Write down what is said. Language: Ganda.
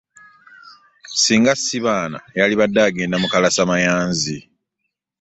Singa si baana yandibadde agenda mu kalasamayanzi.